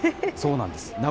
そうなんです。